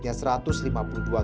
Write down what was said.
yang sama bukan sayaeh